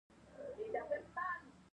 افغانستان د سیندونه له امله شهرت لري.